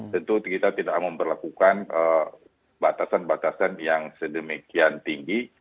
tentu kita tidak memperlakukan batasan batasan yang setinggi